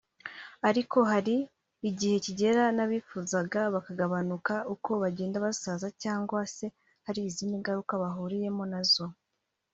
ariko hari igihe kigera n’ababifuzaga bakagabanuka uko bagenda basaza cyangwa se hari izindi ngaruka bahuriyemo na zo